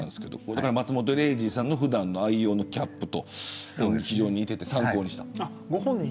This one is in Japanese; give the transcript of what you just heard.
松本零士さんの普段の愛用のキャップと非常に似ていて参考にした。